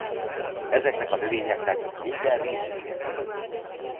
Ezeknek a növényeknek minden részük mérgező.